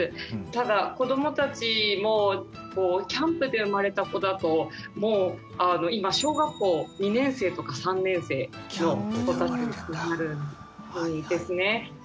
ただ子どもたちもキャンプで生まれた子だともう今小学校２年生とか３年生の子たちになるんですね。